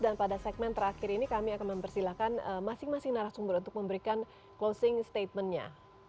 dan pada segmen terakhir ini kami akan mempersilahkan masing masing narasumber untuk memberikan closing statement nya